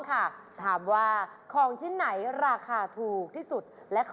เอาจีบผู้หญิงเลยใช่ไหมเอาจีบผู้หญิงเลย